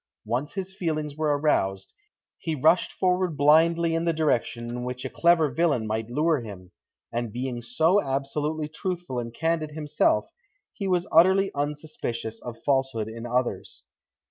Once his feelings were aroused, he rushed forward blindly in the direction in which a clever villain might lure him, and being so absolutely truthful and candid himself, he was utterly unsuspicious of falsehood in others.